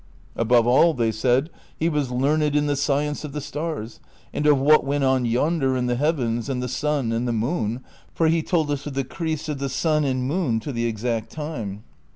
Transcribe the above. Above all, they said, he was learned in the science of the stars and of what went on yonder in the heavens and the sun and the moon, for he told us of the cris of the sun and moon to the exact time.